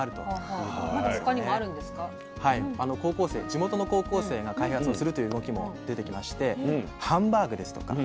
地元の高校生が開発をするという動きも出てきましてハンバーグですとか